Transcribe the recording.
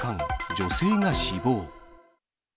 女性が死亡。